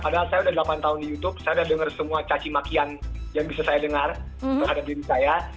padahal saya sudah delapan tahun di youtube saya udah dengar semua cacimakian yang bisa saya dengar terhadap diri saya